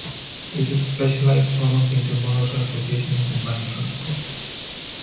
It is a specialised form of intermodal transportation and combined transport.